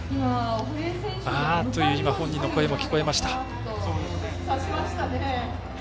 ああっ、という本人の声も聞こえました。